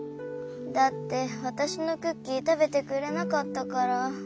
だってわたしのクッキーたべてくれなかったから。